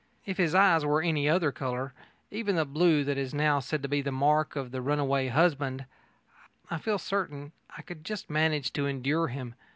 If his eyes were any other colour even the blue that is now said to be the mark of the runaway husband I feel certain I could just manage to endure him.